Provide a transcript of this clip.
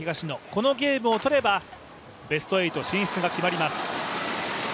このゲームを取ればベスト８に進出が決まります。